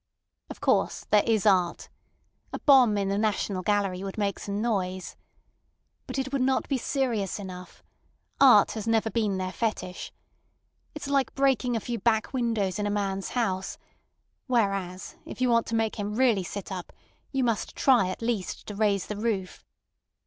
Of course, there is art. A bomb in the National Gallery would make some noise. But it would not be serious enough. Art has never been their fetish. It's like breaking a few back windows in a man's house; whereas, if you want to make him really sit up, you must try at least to raise the roof.